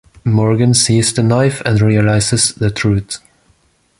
Morgan sees the knife and realizes the truth.